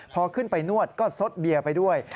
พอขึ้นไปนวดก็ซดเบียร์ไปด้วย